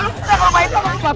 nggak mau baik baik